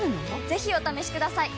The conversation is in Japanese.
ぜひお試しください！